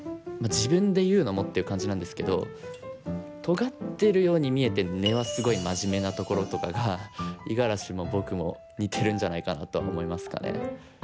自分で言うのもっていう感じなんですけどとがってるように見えて根はすごいマジメなところとかが五十嵐も僕も似てるんじゃないかなとは思いますかね。